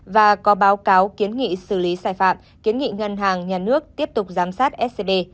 và có báo cáo kiến nghị xử lý sai phạm kiến nghị ngân hàng nhà nước tiếp tục giám sát scb